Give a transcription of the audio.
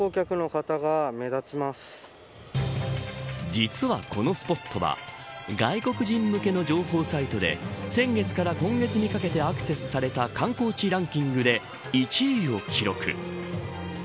実はこのスポットは外国人向けの情報サイトで先月から今月にかけてアクセスされた観光地ランキングで１位を記録。